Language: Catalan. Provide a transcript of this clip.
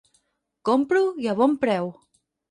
Compro, i a bon preu.